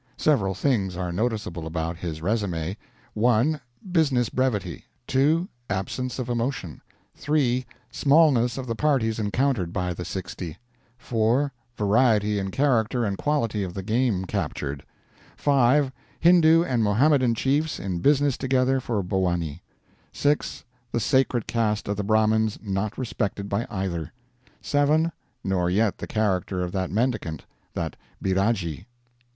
Several things are noticeable about his resume. 1. Business brevity; 2, absence of emotion; 3, smallness of the parties encountered by the 60; 4, variety in character and quality of the game captured; 5, Hindoo and Mohammedan chiefs in business together for Bhowanee; 6, the sacred caste of the Brahmins not respected by either; 7, nor yet the character of that mendicant, that Byragee.